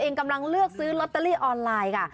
กำลังเลือกซื้อลอตเตอรี่ออนไลน์ค่ะ